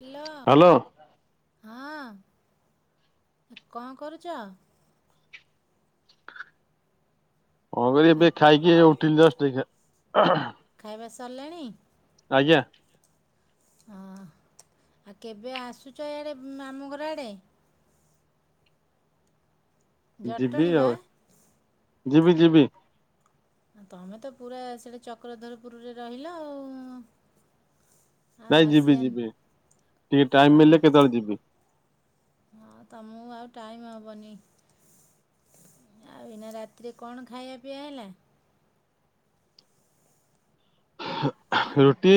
Hello hello ହଁ କଣ କରୁଛ? ହଁଵେ ହେ, ଏବେ ଖାଇକି ଏଁଇ ଉଠିଲି ଜଷ୍ଟ ଏଇଖା। ଖାଇବା ସରିଲାଣି? ଆଜ୍ଞା। ହଁ ଆଉ କେବେ ଆସୁଛ ଏଆଡ଼େ ମାମୁଁଘର ଆଡ଼େ? ଯିବି ଜଟଣୀ ବା ଆଉଁ ଯିବି ଯିବି। ତମେ ତ ପୁରା ସିଏଡେ ଚକ୍ରଧରପୁରରେ ରହିଲ ଆଉଁ। ନାଇଁ ଯିବି ଯିବି ଟିକେ ଟାଇମ ହଁ ମିଳିଲେ କେତେବେଳେ ଯିବି। ହଁ ତମକୁ ଆଉଁ ଟାଇମ୍ ହବନି। ଆଉ ଏଇନା ରାତିରେ କଣ ଖାଇବା ପିଇବା ହେଲା? ରୁଟି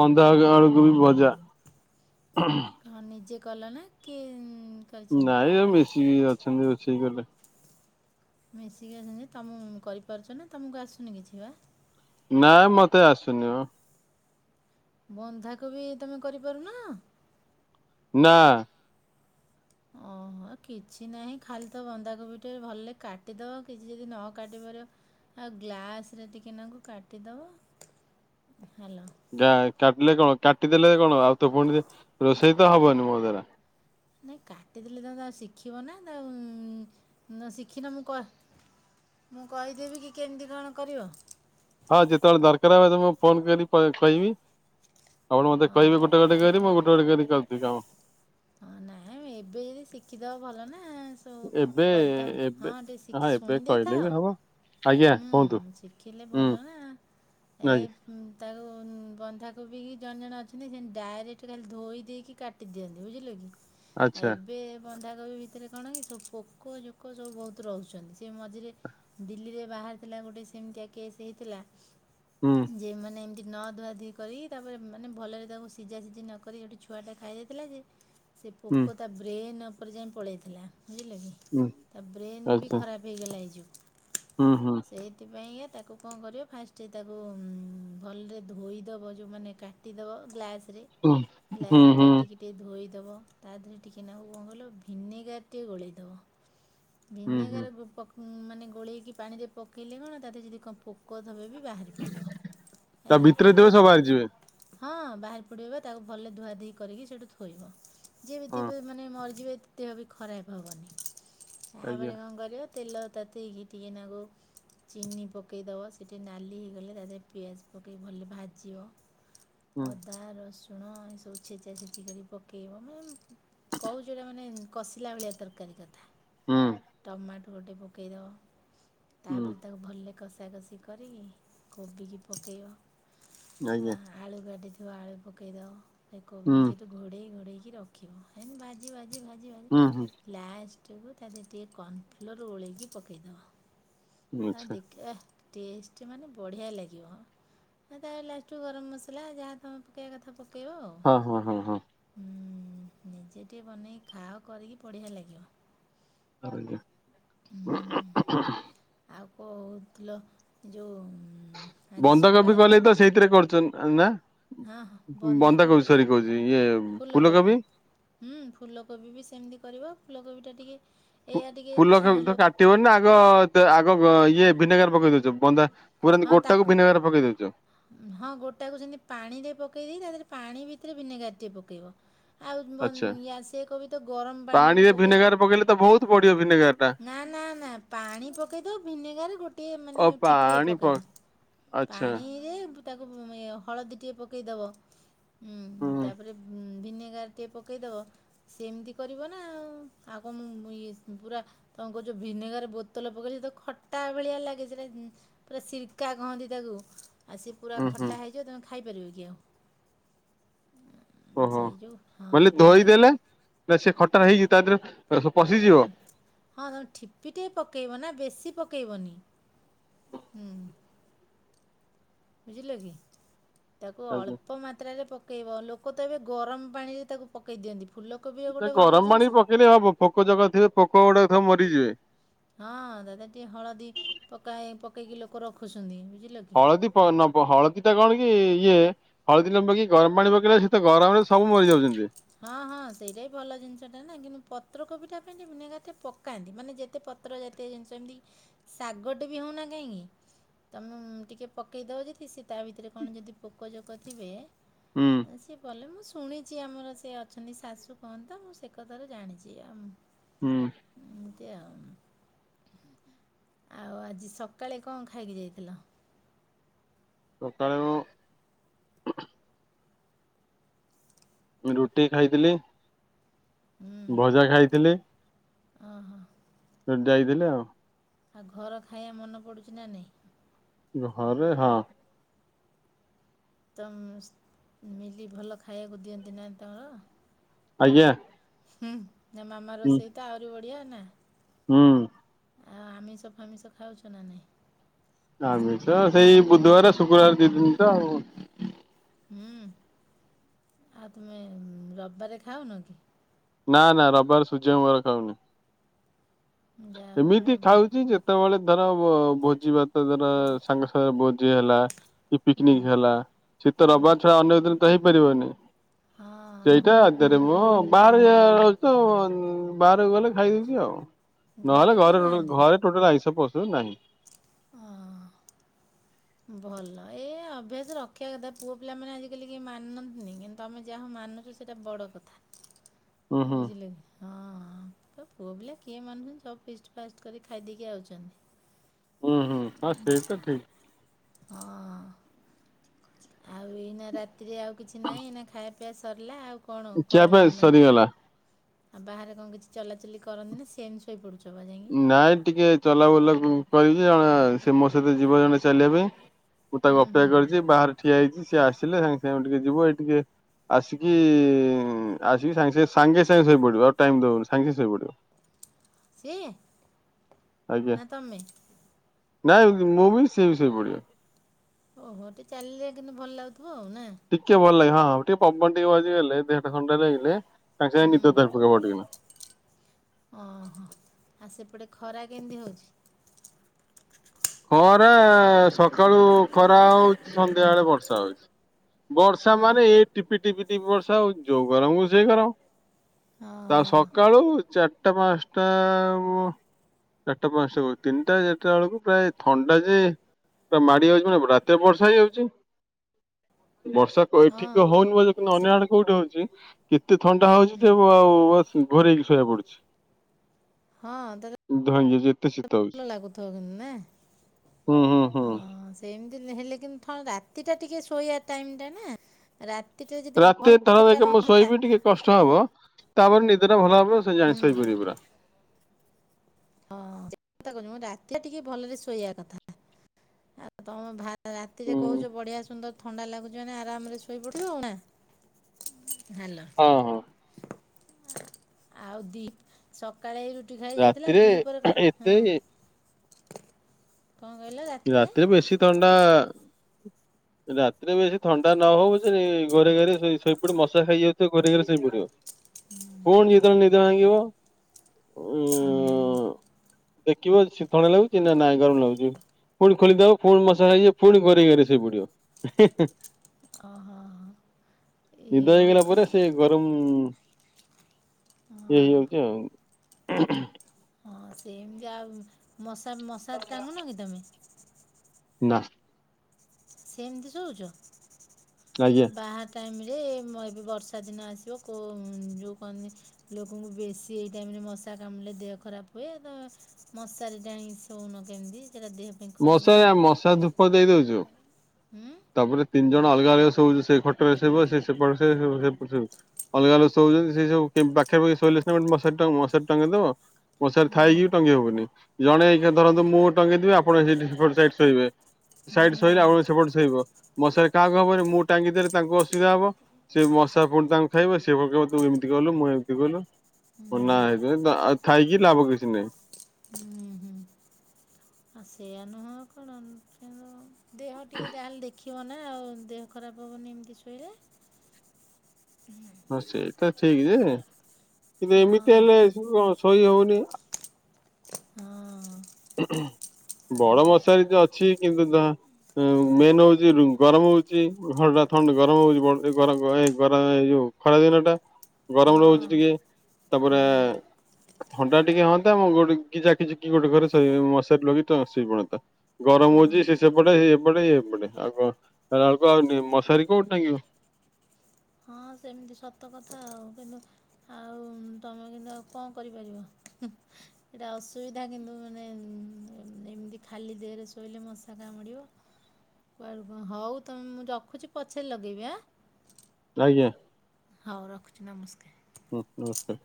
ବନ୍ଧାଆଳୁ କୋବି ଭଜା। ହଁ ନିଜେ କଲ ନାଁ କିଂ ନାଇଁ ଆଉ ମିଶିକି ଅଛନ୍ତି ରୋଷେଇ କଲେ। ମିଶିକି ଅଛନ୍ତି ତମେ କରିପାରୁଛ ନାଁ ତୁମକୁ ଆସୁନି କିଛି ବାଃ। ନା ମତେ ଆସୁନି ମ୍। ବନ୍ଧାକୋବି ତମେ କରିପାରୁନଁ? ନାଁ। ଓଁ କିଛି ନାହିଁ ଖାଲି ତ ବନ୍ଧାକୋବିଟେ ଭଲରେ କାଟିଦେବ କିଛି ଯଦି ନ କାଟି ପାରିବ ଆଉ ଗ୍ଲାସ ରେ ଟିକେ ନାଙ୍କୁ କାଟିଦବା ହେଲା। ଗାଁ କାଟିଲେ କଣ କାଟିଦେଲେ କଣ ଆଉ ତ ପୁଣି ରୋଷେଇ ତ ହବନି ମୋ ଦ୍ଵାରା। ନାଇଁ କାଟିଦେଥିଲି ତ ଆଉ ଶିଖିବ ନା ତା ଶିଖିନ ମୁଁ କ ମୁଁ କହିଦେବି କି କେମିତି କଣ କରିବ? ହଁ ଯେତେବେଳେ ଦରକାର ହବ ତମ ଫୋନ କରି କହିବି। ଆପଣ ମୋତେ ଅଁ, କହିବେ ଗୋଟେ ଗୋଟେ କରି ମୁଁ ଗୋଟେ ଗୋଟେ କରିି କରୁଚି କାମ। ହଁ ନାଇଁ ଏବେ ଯଦି ଶିଖିଦବ ଭଲ ନା। ତ ଏବେ କରିତ ଏବେ ହଁ ଟିକେ ହଁ ଶିଖି ଏବେ ଶୁଣି କହିଲେ ବି ଦେଇଥାଅ। ହବ। ଆଜ୍ଞା ହୁଁ, କୁହନ୍ତୁ ଶିଖିଲେ ହୁଁ ଭଲ ନା। ଏ ଆଜ୍ଞା ହୁଁ ତାକୁ ଉଁ, ବନ୍ଧାକୋବି କି ଜଣେ ଜଣ ଅଛନ୍ତି, ସେ ଡାଇରେକ୍ଟ ଖାଲି ଧୋଇ ଦେଇକି କାଟ ଟି ଦିଅନ୍ତି ବୁଝିଲ କି ଆଚ୍ଛା [inaudible] ବେ ବନ୍ଧାକୋବି ଭିତରେ କଣ କି ସବୁ ପୋକ ଜୋକ ସବୁ ବହୁତ ରହୁଛନ୍ତି, ସେ ମଝିରେ ଦିଲ୍ଲୀରେ ବାହାରିଥିଲା ଗୋଟେ ସେମିତିଆ କେସ୍ ହେଇଥିଲା। ହୁଁ। ଯେ ମାନେ ଏମିତି ନ ଧୁଆ ଧୁଇ କରିକି, ତାପରେ ମାନେ ଭଲରେ ତାକୁ ସିଝା ସିଝି ନକରି ଗୋଟେ ଛୁଆଟା ଖାଇ ଦେଇଥିଲା ଯେ ହ ସେ ହୁଁ ପୋକ ତା ବ୍ରେନ୍ ଉପର ଯାଏଁ ପଳେଇଥିଲା। ବୁଝିଲ କି, ହୁଁ ତା ବ୍ରେନ୍ ବି ଆଚ୍ଛା ଖରାପ ହେଇଗଲା, ହେଇଯିବ। ହୁଁ, ହୁଁ। ସେଇଥିପାଇଁକା ତାକୁ କଣ କରିବ ଫାଷ୍ଟ ତାକୁ ଉଁ, ଭଲରେ ଧୋଇଦବ, ଯୋଉ ମାନେ କା ଟିଦବ ଗ୍ଲାସ୍ ରେ ହୁଁ ଗ୍ଲାସ୍ ରେ ହୁଁ ହୁଁ କାଟିକି ଟିକି ଧୋଇଦବ ତା ଦେହରେ ଟିକିଏ ନାକୁ କଣ କହିଲ ଭିନେଗାର ଟିକେ ଗୋଳେଇଦବ। ହୁଁ ହୁଁ ଭିନେଗାର ବୁ-ପକ-ମାନେ ଗୋଳେଇକି ପାଣିରେ ପକେଇଲେ କଣ ତା ଦେହରେ ଯଦି କଣ ପୋ କ ଥବବି ବାହାରି ପଡ଼ିବ, ତା ହେଲା, ଆ ଭିତରେ ଥିବେ ଦେ ସବୁ ବାହାରି ଯିବେ ହଁ ବାହାରି ପଡ଼ିବ ବା ତାକୁ ଭଲ ଧୁଆଧୁଇ କରିକି ସେଇଠୁ ଥୋଇବ। ଯିଏ ବି ହଁ ଥିବେ ମାନେ ମରିଯିବେ, ଦେହ ବି ଖରାପ ହବନି। ଆଜ୍ଞା ତାପରେ କଣ କରିବ ତେଲ ତତେଇକି ଟିକେ ନାକୁ ଚିନି ପକେଇଦବ, ସିଏ ଟିକେ ନାଲି ହୋଇଗଲେ ତା ଦେହରେ ପିଆଜ ପକେଇ ଭଲ ଭାଜିବ। ହୁଁ ଅଦା ରସୁଣ ଏସବୁ ଛେଚା ଛେଚି କରି ପକେଇବ, ମାନେ ଏମ କହୁଛି ଏଟା ମାନେ କଷିଲା ଭଳିଆ ତରକାରୀ କଥା, ହୁଁ ଟମାଟୋ ଗୋଟେ ପକେଇଦବ। ହୁଁ ତାପରେ ତାକୁ ଭଲ କଷା କଷି କରିକି କୋବିକି ପକେଇବ। ଅ, ଆ, ଆଜ୍ଞା ଆଳୁ କାଟିଥିବ ଆଳୁ ପକେଇଦବ। ସେ କୋବି ହୁଁ କି ସେଇଠି ଘୋଡ଼େଇ ଘୋଡ଼େଇକି ରଖିବ। ଏମତି ଭାଜି ବାଜି ଭାଜି ହୁଁ ହୁଁ ଭାଜି ଲାଷ ଟକୁ ତା ଦେହରେ ଟିକେ କର୍ଣ୍ଣ ଫ୍ଲୋର୍ ଗୋଳେଇକି ପକେଇଦବ। ଆଁ, ଆଚ୍ଛା ଦେଖ ଅ, ଟେଷ୍ଟ ମାନେ ବଢ଼ିଆ ଲାଗିବ ହଁ। ହଁ ତା ଲାଷ୍ଟ କୁ ଗରମ ମସଲା ଯାହା ତୁମେ ପକେଇବା କଥା ପକେଇବ ଆଉ। ହଁ, ହଁ, ହଁ, ହଁ। ହଁ ନିଜେ ଟିକି ବନେଇ ଖାଅ କରିକି ବଢ଼ିଆ ଲାଗିବ। ଆଜ୍ଞା। ହୁଁ। ଆଉ କହୁଥିଲ ଯୋଉ ଉଁ, ବନ୍ଧାକୋବିି କଲେ ତ ସେଇଥିରେ କରୁଛନ୍ ନା? ହଁ ହଁ ବନ୍ଧାକୋବି ବନ୍ଦାକୋବି ଏ ସର କହୁଛି ଇଏ ଫୁଲକୋବି? ହୁଁ ଫୁଲକୋବି ବି ସେମିତି କରିବ ଫୁଲକୋବି ଟା ଟିକେ ଏଇଆ ଟିକେ ଛାଁ ଲ ଟିଉନ ନା ଆଗ ତ ଆଗ ବ-ଅ, ଇଏ ଭିନେଗାର ପକେଇ ଦଉଚ, ବନ୍ଦା ପୁରା ଏମତି ହଁ ଗୋଟା କୁ ତାକୁ ଭିନେଗାର ପକେଇଦଉଚ? ହଁ ଗୋଟାକୁ ସେମିତି ପାଣିରେ ପକେଇକି ତା ଦେହରେ ପାଣି ଭିତରେ ଭିନେଗାର ଟି ପକେଇବ। ଆଉ [unintelligible] ଆଚ୍ଛା ୟା ସେ କବି ତ ଗରମ ପାଣିରେ ବି ପକେଇ ଭିନେଗାର ପକେଇଲେ ତ ବହୁତ ପଡିବ ଭିନେଗାର ଟା ନା, ନା, ନା ପାଣି ପକେଇଦେଇ ଭିନେଗାର ଗୋଟିଏ ମାନେ ଓ ଠିପିଏ ପାଣି ପ ପକେଇବ। ଆଚ୍ଛା। ଏମତି ତାକୁ ଉଁ, ଏହଳଦୀ ଟିକେ ପକେଇଦବ ଉଁ, ହୁଁ ତାପରେ ହୁଁ, ଭିନେଗାର ଟିକେ ପକେଇଦବ। ସେମତି କରିବ ନା ଆଉ ଆଉ କଣ ମୁଁ, ମୁଁ ଇଏ ଉଁ, ପୁରା କଣ କହୁଛ ଭିନେଗାର ବୋତଲ ପକେଇଲେ ତ ଖଟା ଭଳିଆ ଲାଗେ ସେଟା। ହୁଁ, ପୁରା ସିରକା କହନ୍ତି ତାକୁ। ଆ ସେ ପୁରା ହୁଁ ହୁଁ ଖଟା ହେଇଯିବ ତମେ ଖାଇପାରିବ କି ଆଉ। ଓହୋ ସେଇ ଯୋଗୁ ହଁ ଭିନେ ବେଶୀ ଖଟା ହେଇଚି ତା ଦେହରେ ଉଁ ପଶିଯିବ ହୁଁ। ହଁ ତମେ ଠିପି ଟେ ପକେଇବ ନା ବେଶି ପକେଇବନି। ହୁଁ। ବୁଝିଲେ କି। ତାକୁ ଆଜ୍ଞା ଅଳ୍ପ ମାତ୍ରାରେ ପକେଇବ। ଲୋକ ତ ଏବେ ଗରମ ପାଣିରେ ତାକୁ ପକେଇ ଦିଅନ୍ତି। ଫୁଲକୋବି ନା ଗୋଟେ ଭଲ ଗରମ ଜିନିଷ ପାଣି ବି ପକେଇଲେ ହବ। ପୋକ ଜୋକ ଥିବେ ପୋକ ଗୁଡାକ ସବୁ ମରିଯିବେ। ହଁ ତା ଦିହରେ ଟିକେ ହଳଦୀ ପକା ହେଇ ପକେଇକି ଲୋକ ରଖୁସନ୍ତି ବୁଝିଲ କି। ହଳଦୀ ନବ ହଳଦୀ ଟା କଣ କି ଇଏ ହଳଦୀ ନପକେଇକି ଗରମ ପାଣି ପକେଇଲେ ସେ ତ ଗରମ ରେ ସବୁ ମରିଯାଉଛନ୍ତି ସିଏ। ହଁ ହଁ ସେଇଟା ବି ଭଲ ଜିନିଷଟା ନା। କିନ୍ତୁ ପତ୍ରକୋବିଟା ପାଇଁ ଟିକେ ଭିନେଗାର ଟିକେ ପକ୍ ପକାନ୍ତି। ମାନେ ଯେତେ ପତ୍ର ଜାତୀୟ ଜିନିଷ ଏମିତି କି ଶାଗ ଟେ ବି ହେଉନା କାହିଁକି ତମେ ଟିକେ ପକେଇଦବ ଯଦି ସେ ତା ଭିତରେ କଣ ଯଦି ପୋକ ଜୋକ ଥିବେ ହୁଁ ସିଏ ଗଲେ ମୁଁ ଶୁଣିଚି ଆମର ସେ ଅଛନ୍ତି ଶାଶୁ କୁହନ୍ତି ତ ମୁଁ ସେ କଥାରେ ଜାଣିଚି। ଆମ୍ ଉଁ। ଏମତି ଆଉ। ଆଉ ଆଜି ସକାଳେ କଣ ଖାଇକି ଯାଇଥିଲ? ସକାଳେ ମୁଁ ରୁଟି ଖାଇଥିଲି। ହୁଁ ଭଜା ଖାଇଥିଲି। ସେଠୁ ଯାଇଥିଲି ଆଉ। ଆଉ ଘର ଖାଇବା ମନେ ପଡୁଚି ନା ନାଇଁ? ଘରେ ହଁ। ତମ ସ୍ ମିଲି ଭଲ ଖାଇବାକୁ ଦିଅନ୍ତି ନା ତମର? ଆଜ୍ଞା। ହୁଁ, ନା ମାମା ହୁଁ ରୋଷେଇ ତ ଆହୁରି ବଢିଆ ନା। ହୁଁ। ଆଉ ଆମିଷ ଫାମିଷ ଖାଉଚ ନା ନାଇଁ? ଆମିଷ ସେଇ ବୁଧବାର ଶୁକ୍ରବାର ଦି ଦିନ ତ ଆଉ। ହୁଁ। ଆଉ ତୁମେ ରବିବାରେ ଖାଉନ କି? ନା ନା ରବିବାର ସୂର୍ଯ୍ୟଙ୍କ ବାର ଖାଉନି। ଯାହା ହଉ ହେମିତି ଏଇଟା ଗୋଟେ ଭ- ଖାଉଚି ଯେତେବେଳେ ଧର ଭୋଜି ଭା ଧ ମର ସାଙ୍ଗେ ସାଙ୍ଗେ ଭୋଜି ହେଲା, କି ପିକ୍ନିକ୍ ହେଲା, ସେ ତ ରବିବାର ଛଡା ଅନ୍ୟ ଦିନ ତ ହେଇପାରିବନି। ହଁ। ସେଇଟା [unintelligible] ମୁଁ ବାହାରେ ଯଉ ରହୁଚୁ ବାହାରକୁ ଗଲେ ଖାଇଦେଉଚି ଆଉ। ନହେଲେ ଘରେ ଟୋଟାଲ ଘରେ ଟୋଟାଲ ଆଇଁଷ ପସୁ ନାହିଁ। ଅ ହଁ। ଭଲ। ଏ ଅଭ୍ୟାସ ରଖିବା କଥା। ପୁଅ ପିଲାମାନେ ଆଜିକାଲି କେହି ମାନନ୍ତିନି କିନ୍ତୁ ତମେ ଯାହା ହଉ ମାନୁଚ ସେଇଟା ବଡ଼ କଥା। ହୁଁ ହୁଁ ବୁଝିଲ କିି। ହଁଁ। ପ ପୁଅ ପିଲା କିଏ ମାନୁଛନ୍ତି ସବୁ ଫିଷ୍ଟ ଫାଷ୍ଟ କରି ଖାଇଦେଇକି ଆଉଛନ୍ତି। ହୁଁ ହୁଁ। ହଁ ସେଇ ତ ଠିକ୍। ହଁ। ଆଉ ଏଇନା ରାତିରେ ଆଉ କିଛି ନାହିଁ ନା ଖାଇବା ପିଇବା ସରିଲା ଆଉ କଣ ଖିଆ କଣ ପିଆ ମାନେ ସରିଗଲା। ଆଉ ବାହାରେ କଣ କିଛି ଚଲାଚଲି କରନ୍ତି ନା ସେମ୍ ଶୋଇପଡୁଚ ବା ଯାଇକି? ନାଇଁ ଟିକେ ଚଲାବୁଲା କରିବି ଯେ ଜଣେ ସେ ମୋ ସହିତ ଯିବ ଜଣେ ଚାଲିବା ପାଇଁ। ମୁଁ ତାକୁ ହୁଁ ହୁଁ ଅପେକ୍ଷା କରିଚି ବାହାରେ ଠିଆ ହେଇଚି ସିଏ ଆସିଲେ ସାଙ୍ଗେ ସାଙ୍ଗେ ଟିକେ ଯିବୁ ଏଇ ଟିକେ ଆସିକି ଆସିକି ସାଙ୍ଗେ ସାଙ୍ଗେ ସାଙ୍ଗେ ଶୋଇ ପଡ଼ିବ ଆଉ ଟାଇମ ଦବନି ସାଙ୍ଗେ ସାଙ୍ଗେ ଶୋଇପଡ଼ିବ। ସେ ଆଜ୍ଞା ନାଇଁ ମୁଁ ବି ସେ ବି ସୋଇ ପଡିବ। ଓହୋ ଟିକେ ଚାଲିଲେ କିନ୍ତୁ ଭଲ ଲାଗୁଥିବ ଆଉ ନା? ଟିକେ ଭଲ ଲାଗେ ହଁ ହଉ ଟିକେ ପବନ ଟିକେ ବାଜିଗଲେ ଗଲେ ଦୋ ଖଣ୍ଡେ ଲାଗିଲେ ତାଙ୍କ ସାଙ୍ଗେ ସାଙ୍ଗେ ହୁଁ ନିଦ ଧରିପକେଇବ ଟିକେ [inaudible] ଓହୋ ଆଉ ସେପଟେ ଖରା କେମିତି ହଉଛି? ଖରା ସକାଳୁ ଖରା ହଉଛି ସନ୍ଧ୍ୟା ବେଳେ ବର୍ଷା ହଉଛି। ବର୍ଷା ହଁ ମାନେ ଏଇ ଟିପି ଟିପି ଟିପି ବର୍ଷା ହଉ ଯୋଉ ଗରମ କୁ ସେଇ ଗରମ। ହଁ। ଆଉ ହଁ ସକାଳୁ ଚାରିଟା ପାଞ୍ଚଟା ଉଁ ଚାରଟ ପାଞ୍ଚକୁ ତିନିଟା ଚାରିଟା ବେଳକୁ ପ୍ରାୟ ଥଣ୍ଡା ଯେ ପୁରା ମାଡି ଯାଉଛି ମ ରାତିରେ ବର୍ଷା ହେଇଯାଉଛି ବର୍ଷା ହଁ ଏଠିକ ହଉନି କିନ୍ତୁ ଅନ୍ୟ ସେଟା ଆଡେ କୋଉଠି ହଉଛି କେତେ ଥଣ୍ଡା ହଉଛି ହୁଁ ଯେ ଆଉ ଘରେକି ଶୋଇବାକୁ ପଡୁଛି। ହଁ ତ ଧଯ ଯେ ଭଲ ଲାଗୁଥିବ କିନ୍ତୁ ହୁଁ ହୁଁ ନା ହୁଁ ହଁ ସେମିତି ହଲେ କିନ୍ତୁ ଥଣ ରା ରାତି ଟା ଟିକେ ଶୋଇବା ଟାଇମ ଟା ନା? ରାତି୍ ଯଦି ରାତି ଭଲ ଥର ନିଦଟା ଦେକ ମୁଁ ନହେଲା ଶୋଇବି ଟିକେ କଷ୍ଟ ହବ ତାପରେ ନିଦ ଟା ଭଲ ହବ ସେ ଜା ହୁଁ ଶୋଇଯିବି ପୁରା। ହଁ କଥା କହୁ ମୁ ରାତିଟା ଟିକେ ଭଲରେ ଶୋଇବା କଥା ଆଉ ତମେ ରାତିରେ ହୁଁ କହୁଛ ବଢିଆ ସୁନ୍ଦର ଥଣ୍ଡା ଲାଗୁଛି ମାନେ ଆରାମରେ ଶୋଇପଡ଼ିବ ଆଉ ନା ହ୍ୟାଲୋ। ହଁ ହଁ। ଆଉ ଦି ସକାଳେ ରୁଟି ଖାଇ ଯାଇଥିଲା ରାତିରେ ଦିପ ହଁ। ଏତେ କଣ କହିଲ ରା ରାତିରେ ବେଶୀ ଥଣ୍ଡା ରାତିରେ ବେଶୀ ଥଣ୍ଡା ନହଉ। ଘରେଇ ଘେରେଇ ସେଇପଡି ମଶା ଖାଇଯାଉଛି ଘରେ ଘରେ ସେଇପୁଡିବ ପୁଣି ଯେତେବେଳେ ନିଦ ଭାଙ୍ଗିବ ଉଁ ଦେଖିବ ଶୀତଳ ଲାଗୁଛି ନା ନାଇଁ ଗରମ ଲାଗୁଛି। ପୁଣି ଖୋଲିଦବ ପୁଣି ମଶା ହେଇଯିବ ପୁଣି ଘରେଇଘାରେଇକି ସୋଇପଡିବ ହେ ହେ। ହଁ ହଁ। ନିଦ ହେଇଗଲା ପରେ ସେ ଗରମ ହଁ ଏଇ ହୋଉଛି ଆଉ ହୁଁ ହୁଁ। ହଁ ସେମ ଆଉ ମଶା ମଶା ଟାଙ୍ଗୁନ କି ତମେ? ନାଁ। ସେମିତି ଆଜ୍ଞା ଶୋଉଚ ବା ଟାଇମ୍ ରେ ଏବେ ବର୍ଷା ଦିନ ଆସିବ କୋଉ ଯେଉଁ କହନ୍ତି ଲୋକଙ୍କୁ ବେଶୀ ଏଇ ଟାଇମ ରେ ମଶା କାମୁଡିଲେ ଦେହ ଖରାପ ହୁଏ ତମେ ମଶାରୀ ଟାଣି ଶଉନ କେମିତି ସେଟା ଦେହ ପାଇଁ ଖରାପ ମଶାରୀ ହବନି। ମଶା ଧୂପ ଦେଇ ଦଉଛୁ। ହୁଁ। ତାପରେ ତିନି ଜଣ ଅଲଗା ଅଲଗା ଶୋଉ ସେଇ ଖଟରେ ଶୋଇବ ସେ ସେପଟେ [unintelligible] ଅଲଗା ଅଲଗା ଶ ହଉଛନ୍ତି ସେ ସବୁ ପାଖାପାଖି ଶୋଇଲେ ସିନାମସାରିଟାକୁ ମଶାରୀ ଟଙ୍ଗେଇ ଦେବ। ମଶାରୀ ଥାଇକି ଟଙ୍ଗେଇ ହବନି ଜଣେ ଧରନ୍ତୁ ମୁଁ ଟଙ୍ଗେଇଥିବି ଆପଣ ଆପଣ ସେଇଠି ସେପଟ ସାଇଟି ଶୋଇବେ। ହୁଁ ସାଇଟି ସୋଇଲେ ହୁଁ ଆଉ ସେପଟ ସୋଇିବ ମଶାରୀ କାହାକୁ ହବନି ମୁଁ ଟାଙ୍କି ଦେଲେ ତାଙ୍କୁ ଅସୁବିଧା ହବ ସେ ମଶା ପୁଣି ତାଙ୍କୁ ଖାଇବ ସେ ପକେଇବ ତୁ ଏମିତି କହିଲୁ ମୁଁ ଏମିତି କହିଲୁ। ହୁଁ ନାଇଁଯେ ଆଉ ଥାଇ କି ଲାଭ କିଛି ନାହିଁ। ହୁଁ ହୁଁ। ଆଉ ସେଇୟା ନୁହଁ କଣ କିନ୍ତୁ ଦେହ ଟିକେ ଯାହାହେଲେ ଦେଖିବନା। ନା ଆଉ ଦେହ ଖରାପ ହେବନି ଏମିତି ଶୋଇଲେ। ହଁ ସେଇଟା ଠିକ୍ ଯେ କିନ୍ତୁ ଏମିତି ହଁ ହେଲେ ସେ କଣ ଶୋଇ ହଉନି। ହଁ। ହ ବଳ ବଶାରୀ ତ ଅଛି କିନ୍ତୁ ତା ମେନ୍ ହଉଛି ଗରମ ହଉଛି ଘରଟା ଥଣ୍ଡା ଗରମ ହଉଛି ଗର ଗର ଏ ଯୋଉ ଖରାଦିନ ଟା ହଁ ଗରମ ରହୁଛି ଟିକେ ତାପରେ ହଁ ଥଣ୍ଡା ଟିକେ ହଅନ୍ତା ମୁଁ ଗୋଟେ ଜାକିଜୁକି ଗୋଟେ ଘରେ ଶୋଇ ମଶାରି ଲଗେଇକି ତ ଶୋଇ ପଡନ୍ତା। ଗରମ ହଁ। ହଉଛି ସେ ସେପଟେ ସେ ଏପଟେ ଏପଟେ ଆଉ କ ହେଲା ବେଳକୁ ଆଉ ମଶାରୀ କୋଉଠି ଟାଙ୍ଗିବ? ହଁ ସେମିତି ସତ କଥା ଆଉ କିନ୍ତୁ ଆଉ ତମେ କିନ୍ତୁ ଆଉ କଣ କରିପାରିବ? ସେଟା ଅସୁବିଧା କିନ୍ତୁ ମାନେ ଏମିତି ଖାଲି ଦେହରେ ଶୋଇଲେ ମଶା କାମୁଡ଼ିବ। କୁଆଡ଼େ କଣ ହଉ ତମେ ମୁଁ ରଖୁଛି ପଛରେ ଲଗେଇବି ଆଁ? ଆଜ୍ଞା। ହଉ ରଖୁଛି ନମସ୍କାର। ଉ ନମସ୍କାର।